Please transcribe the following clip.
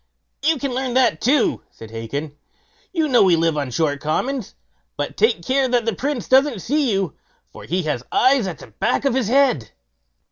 "You can learn that too", said Hacon; "you know we live on short commons. But take care that the Prince doesn't see you, for he has eyes at the back of his head."